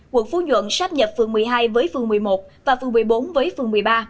quận phú nhuận sắp nhập phường một mươi hai với phường một mươi một và phường một mươi bốn với phường một mươi ba